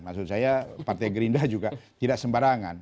maksud saya partai gerindra juga tidak sembarangan